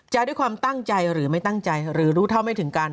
ด้วยความตั้งใจหรือไม่ตั้งใจหรือรู้เท่าไม่ถึงการ